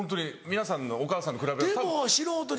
皆さんのお母さんと比べると。